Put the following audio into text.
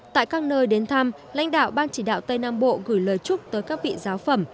tại các nơi đến thăm lãnh đạo ban chỉ đạo tây nam bộ gửi lời chúc tới các vị giáo phẩm